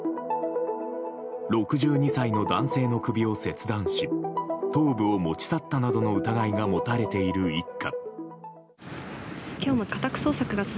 ６２歳の男性の首を切断し頭部を持ち去ったなどの疑いが持たれている一家。